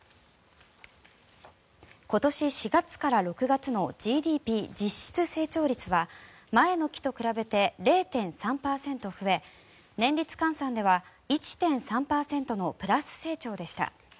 今年４月から６月のＧＤＰ実質成長率は前の期と比べて０．３％増え年率換算では１．３％のプラス成長でした。